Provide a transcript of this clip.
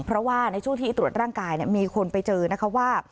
เพราะว่าในช่วงที่ตรวจร่างกายมีคนไปเจอนะคะว่า